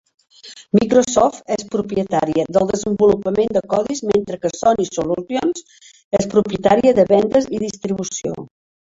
Microsoft és propietària del desenvolupament de codis mentre que Sonic Solutions és propietària de vendes i distribució.